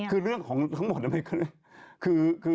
คือเรื่องของทั้งหมดนั้นไปก็เลย